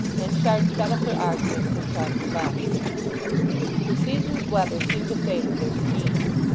Henchard shut up her argument with a sharp rebuff. The season's weather seemed to favour their scheme.